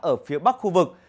ở phía bắc khu vực